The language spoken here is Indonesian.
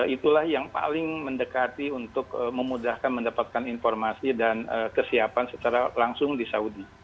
itulah yang paling mendekati untuk memudahkan mendapatkan informasi dan kesiapan secara langsung di saudi